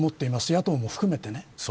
野党も含めてね。